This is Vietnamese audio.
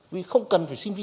vì không cần phải xin visa